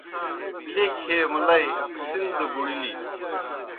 لیکھیْ ہے مُلئی سِن دہ بُڑِلِن۔